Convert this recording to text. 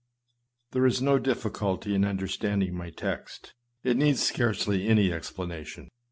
There is no difficulty in understanding my text : it needs scarcely any explanation.